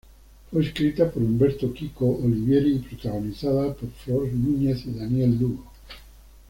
Fue escrita por Humberto "Kiko" Olivieri y protagonizada por Flor Núñez y Daniel Lugo.